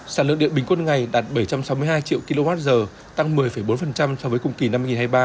sản lượng điện bình quân ngày đạt bảy trăm sáu mươi hai triệu kwh tăng một mươi bốn so với cùng kỳ năm hai nghìn hai mươi ba